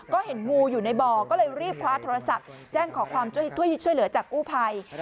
ก็เห็นงูอยู่ในบ่อก็เลยรีบคว้าโทรศัพท์แจ้งขอความช่วยเหลือจากกู้ภัย